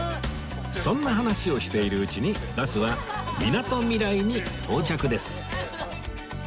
そんな話をしているうちにバスはみなとみらいに到着です